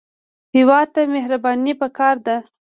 هېواد ته مهرباني پکار ده